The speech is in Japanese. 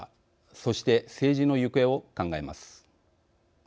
そして政治の行方を考えます。